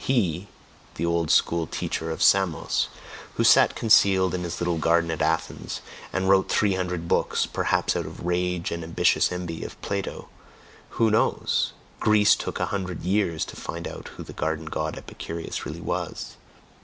He, the old school teacher of Samos, who sat concealed in his little garden at Athens, and wrote three hundred books, perhaps out of rage and ambitious envy of Plato, who knows! Greece took a hundred years to find out who the garden god Epicurus really was.